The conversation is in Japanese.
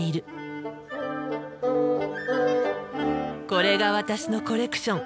これが私のコレクション。